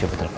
oke tak apa